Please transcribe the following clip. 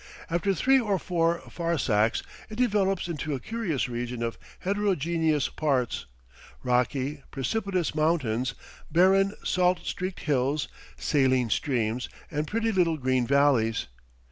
After three or four farsakhs it develops into a curious region of heterogeneous parts; rocky, precipitous mountains, barren, salt streaked hills, saline streams, and pretty little green valleys.